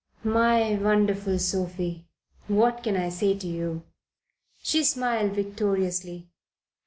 "My wonderful Sophie, what can I say to you?" She smiled victoriously.